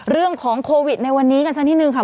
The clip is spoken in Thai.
เรื่องของโควิดในวันนี้กันสักนิดนึงค่ะ